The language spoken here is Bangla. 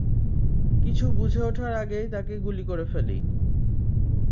কিছু বুঝে ওঠার আগেই তাকে গুলি করে ফেলি।